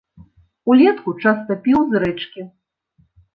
Улетку часта піў з рэчкі.